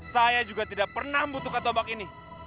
saya juga tidak pernah butuhkan tombak ini